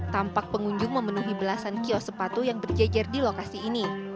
tampak pengunjung memenuhi belasan kios sepatu yang berjejer di lokasi ini